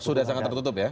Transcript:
sudah sangat tertutup ya